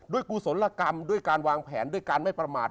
กุศลกรรมด้วยการวางแผนด้วยการไม่ประมาท